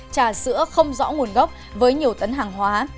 trà sữa không rõ nguồn gốc với nhiều tấn hàng hóa